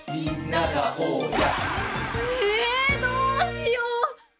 ええどうしよう！